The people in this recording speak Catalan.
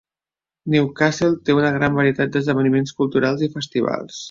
Newcastle té una gran varietat d'esdeveniments culturals i festivals.